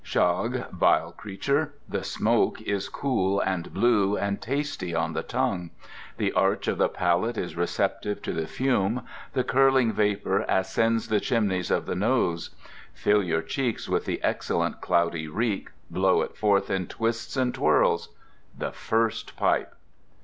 Shog, vile care! The smoke is cool and blue and tasty on the tongue; the arch of the palate is receptive to the fume; the curling vapour ascends the chimneys of the nose. Fill your cheeks with the excellent cloudy reek, blow it forth in twists and twirls. The first pipe!